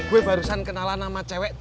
gue barusan kenalan nama cewek